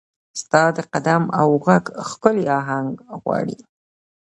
ستا د قدم او ږغ، ښکلې اهنګ غواړي